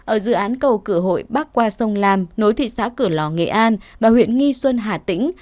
ở dự án cầu cửa hội bắc qua sông lam nối thị xã cửa lò nghệ an và huyện nghi xuân hà tĩnh